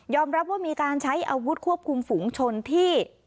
รับว่ามีการใช้อาวุธควบคุมฝูงชนที่